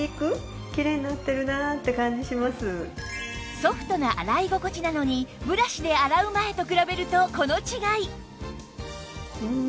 ソフトな洗い心地なのにブラシで洗う前と比べるとこの違い！